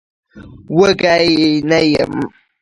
وږی نه يم.